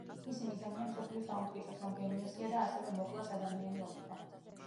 მისი მიზანია მსოფლიოს დაუმტკიცოს რომ გენიოსია და ასევე მოკლას ადამიანი ობობა.